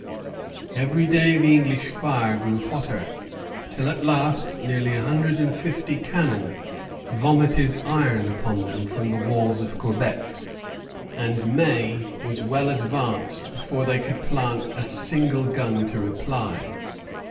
Every day the English fire grew hotter; till at last nearly a hundred and fifty cannon vomited iron upon them from the walls of Quebec, and May was well advanced before they could plant a single gun to reply.